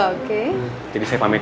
oke jadi saya pamit